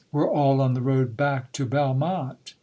were all on the road back to Belmonte.